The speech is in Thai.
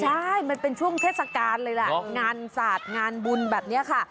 ใช่มันเป็นช่วงเทศกาลเลยล่ะงานศาสตร์งานบุญแบบนี้ค่ะ